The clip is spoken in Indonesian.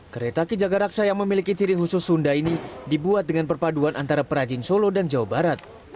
kereta ki jaga raksa yang memiliki ciri khusus sunda ini dibuat dengan perpaduan antara perajin solo dan jawa barat